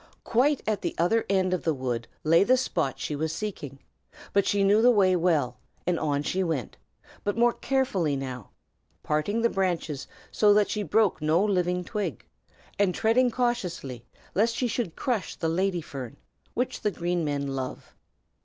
Quite at the other end of the wood lay the spot she was seeking; but she knew the way well, and on she went, but more carefully now, parting the branches so that she broke no living twig, and treading cautiously lest she should crush the lady fern, which the Green Men love.